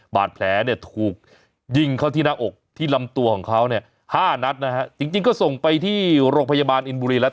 บาดแผลถูกยิงเขาที่หน้าอกที่ลำตัวของเขา๕นัดจริงก็ส่งไปที่โรงพยาบาลอินบูรีแล้ว